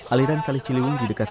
aliran kali ciliwung di dekat